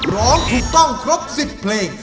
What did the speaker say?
ร้องถูกต้องครบ๑๐เพลง